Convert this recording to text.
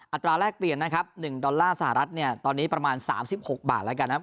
อัตราแรกเปลี่ยนนะครับ๑ดอลลาร์สหรัฐเนี่ยตอนนี้ประมาณ๓๖บาทแล้วกันนะครับ